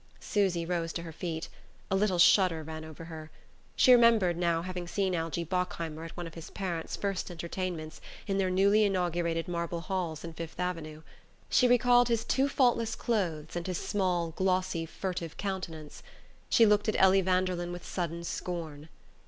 Susy rose to her feet. A little shudder ran over her. She remembered, now, having seen Algie Bockheimer at one of his parents' first entertainments, in their newly inaugurated marble halls in Fifth Avenue. She recalled his too faultless clothes and his small glossy furtive countenance. She looked at Ellie Vanderlyn with sudden scorn.